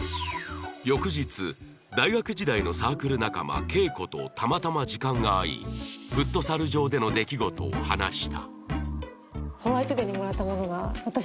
翌日大学時代のサークル仲間景子とたまたま時間が合いフットサル場での出来事を話した